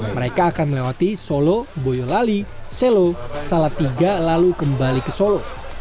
mereka akan melewati solo boyolali selo salatiga lalu kembali ke solo